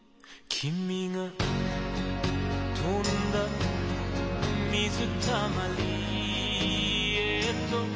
「君が跳んだ水たまりへと」